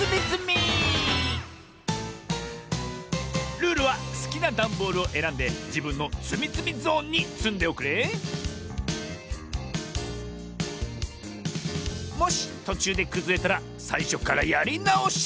ルールはすきなダンボールをえらんでじぶんのつみつみゾーンにつんでおくれもしとちゅうでくずれたらさいしょからやりなおし。